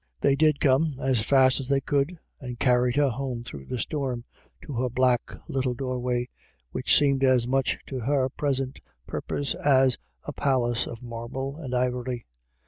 They did come as fast as they could, and carried her home through the storm to her black little doorway, which seemed as much to her present purpose as a palace of marble and ivory.